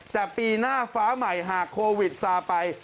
แต่ปีหน้าฟ้าใหม่หากโควิดซาไป